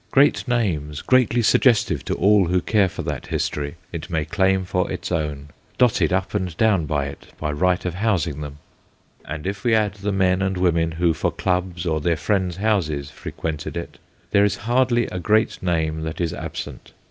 Great names, greatly suggestive to all who care for that history, it may claim for its own, dotted up and down it, by right of housing them ; and if we add the men and women who for clubs or their friends' houses frequented it, there is hardly a great name that is absent.